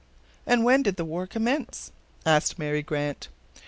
"And when did the war commence?" asked Mary Grant.